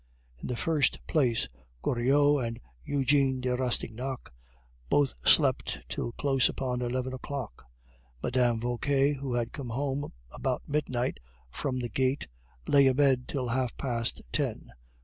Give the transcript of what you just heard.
In the first place, Goriot and Eugene de Rastignac both slept till close upon eleven o'clock. Mme. Vauquer, who came home about midnight from the Gaite, lay a bed till half past ten.